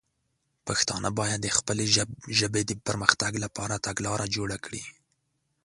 پښتانه باید د خپلې ژبې د پر مختګ لپاره تګلاره جوړه کړي.